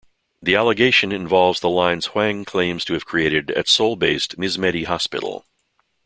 The allegation involves the lines Hwang claims to have created at Seoul-based MizMedi Hospital.